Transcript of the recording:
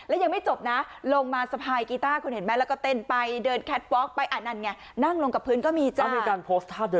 อ่ะนั่นไงนั่งกับพื้นก็มีจ้า